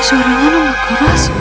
suaranya tidak keras